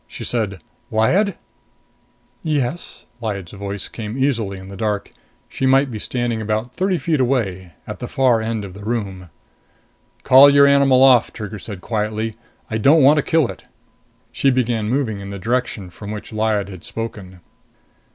She said, "Lyad?" "Yes?" Lyad's voice came easily in the dark. She might be standing about thirty feet away, at the far end of the room. "Call your animal off," Trigger said quietly. "I don't want to kill it." She began moving in the direction from which Lyad had spoken.